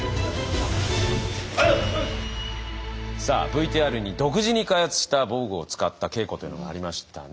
さあＶＴＲに独自に開発した防具を使った稽古というのがありましたね。